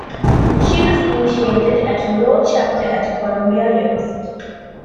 She was initiated at Rho Chapter at Columbia University.